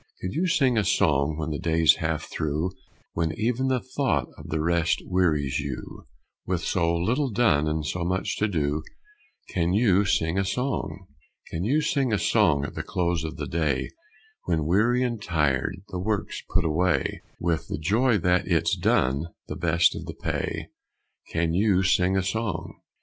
Can you sing a song when the day's half through, When even the thought of the rest wearies you, With so little done and so much to do, Can you sing a song? Can you sing a song at the close of the day, When weary and tired, the work's put away, With the joy that it's done the best of the pay, Can you sing a song?